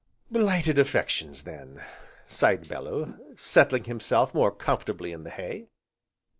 "Blighted affections, then," sighed Bellew, settling himself more comfortably in the hay.